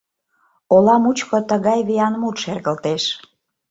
Ола мучко тыгай виян мут шергылтеш.